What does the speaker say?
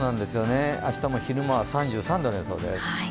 明日も昼間は３３度の予想です。